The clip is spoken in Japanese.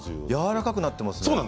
やわらかくなっています。